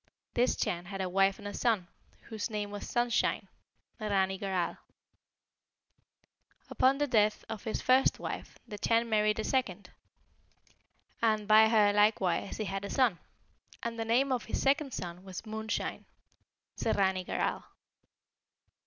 This Chan had a wife and a son, whose name was Sunshine (Narrani Garral). Upon the death of his first wife the Chan married a second; and by her likewise he had a son, and the name of his second son was Moonshine (Ssarrani Garral).